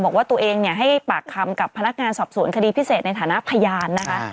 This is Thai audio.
บอกว่าตัวเองให้ปากคำกับพนักงานสอบสวนคดีพิเศษในฐานะพยานนะคะ